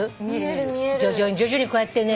徐々に徐々にこうやってね。